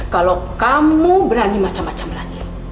kalau kamu berani macam macam lagi